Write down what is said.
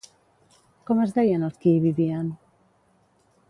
Com es deien els qui hi vivien?